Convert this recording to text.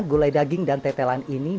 gulai daging dan tetelan ini